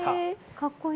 かっこいい。